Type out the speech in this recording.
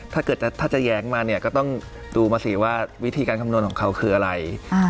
ถ้าเกิดถ้าจะแย้งมาเนี่ยก็ต้องดูมาสิว่าวิธีการคำนวณของเขาคืออะไร